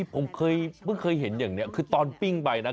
ผมเคยเห็นอย่างนี้คือตอนปิ้งไปนะ